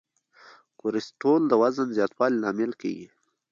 کورټیسول د وزن زیاتوالي لامل کېږي.